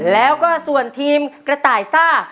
แล้วก็ทีมกระไตรทราคม